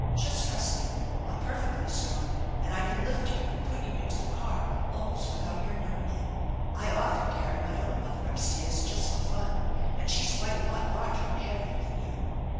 Just trust me. I'm perfectly strong, and I can lift you and put you into the car almost without your knowing it. I often carry my own mother up stairs just for fun, and she's quite a lot larger and heavier than you.